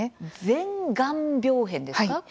前がん病変ですか？